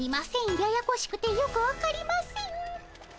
ややこしくてよくわかりません。